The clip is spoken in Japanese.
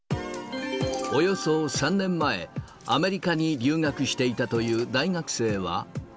およそ３年前、アメリカに留学していたという大学生は。